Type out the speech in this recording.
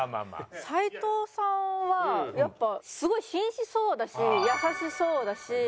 斉藤さんはやっぱすごい紳士そうだし優しそうだし。